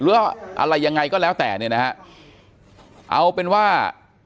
หรืออะไรยังไงก็แล้วแต่เนี่ยนะฮะเอาเป็นว่า